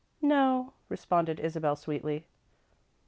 "No," responded Isabel, sweetly.